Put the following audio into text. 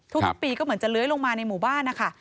ทุกปีก็เหมือนจะเลื้อยลงมาในหมู่บ้านนะคะ